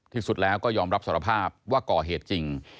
ที่สุดแล้วก็ยอมรับสารภาพว่าก่อเหตุจริง